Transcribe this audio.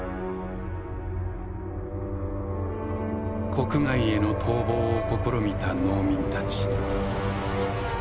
国外への逃亡を試みた農民たち。